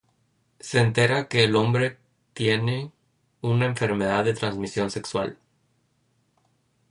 Se entera que el hombre tiene una enfermedad de transmisión sexual.